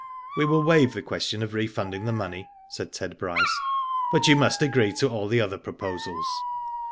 ^* We will waive the question of refunding the money," said Ted Bryce; *'but you must agree to all the other proposals."